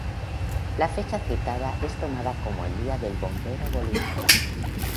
La fecha citada es tomada como el Día del Bombero voluntario.